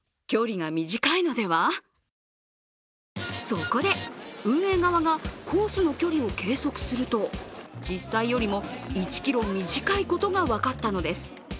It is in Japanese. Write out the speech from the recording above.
そこで、運営側がコースの距離を計測すると、実際よりも１ｋｍ短いことが分かったのです。